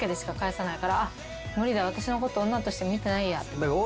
「あっ無理だ私のこと女として見てないや」